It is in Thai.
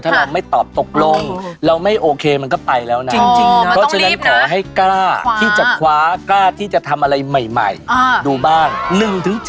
ถ้าเราไม่ตอบตกลง